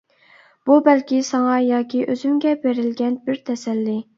بۇ بەلكى ساڭا ياكى ئۆزۈمگە بېرىلگەن بىر تەسەللى.